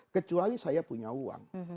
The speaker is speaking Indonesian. kecuali saya punya uang